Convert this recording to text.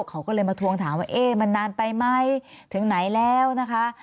เขาก็เลยมาทวงถามว่าเอ๊ะมันนานไปไหมถึงไหนแล้วนะคะ